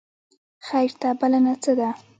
خیر ته بلنه څه ده؟